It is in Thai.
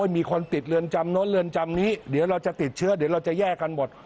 มีคนติดเรือนจำโน้นเรือนจำนี้เดี๋ยวเราจะติดเชื้อเดี๋ยวเราจะแยกกันหมด